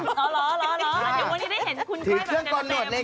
หรอเดี๋ยวมันจะได้เห็นคุณก้อยมาวินไทย